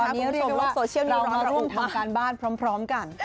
ตอนนี้เรียกว่าเรามาร่วมทางการบ้านพร้อมกัน